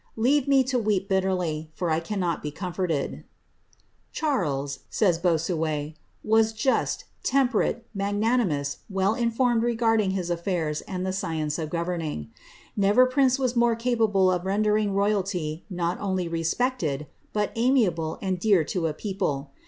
Leave me to weep bitterly, for 1 cannot Ik» comfortetl.' *•• Charles,' says Bossuet, '* was just, temperate, magnanimous, well iDformed regarding his ail'airs and the M ience of governing. Never prince was mote ca])ablc of rendering royally not unly ri'r'prcted, but amiable and dear to i ])cople.